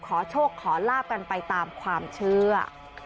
ขอโชคขอลาบกันไปตามความเชื่อ